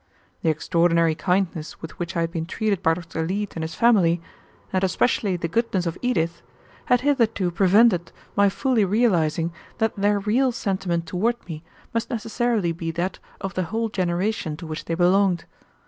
The extraordinary kindness with which I had been treated by Dr. Leete and his family, and especially the goodness of Edith, had hitherto prevented my fully realizing that their real sentiment toward me must necessarily be that of the whole generation to which they belonged.